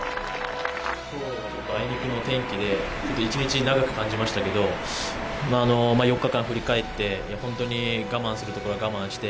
あいにくの天気で、一日が長く感じましたけど４日間振り返って本当に我慢するところは我慢して